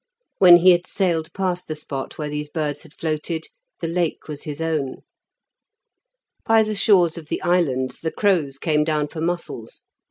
When he had sailed past the spot where these birds had floated, the Lake was his own. By the shores of the islands the crows came down for mussels.